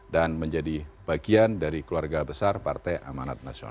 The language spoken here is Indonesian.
dan menjadi bagian dari keluarga besar partai amanat nasional